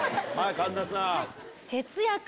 神田さん。